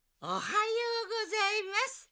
おはようございます！